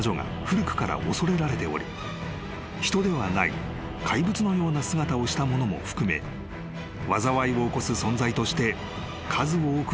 ［人ではない怪物のような姿をしたものも含め災いを起こす存在として数多くの伝説がある］